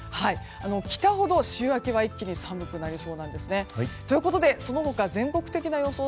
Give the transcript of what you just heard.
北ほど週明けは一気に寒くなりそうなんですね。ということで、その他全国的な予想